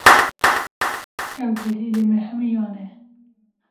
Ew delîlê me hemûyan e